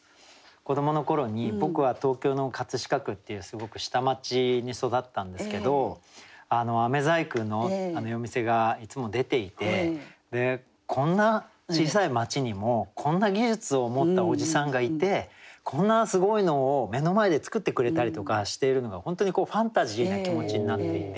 子どもの頃に僕は東京の飾区っていうすごく下町に育ったんですけど細工の夜店がいつも出ていてこんな小さい町にもこんな技術を持ったおじさんがいてこんなすごいのを目の前で作ってくれたりとかしているのが本当にファンタジーな気持ちになっていて。